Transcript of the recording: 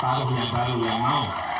tarif yang baru yang mau